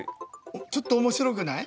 ちょっと面白くない？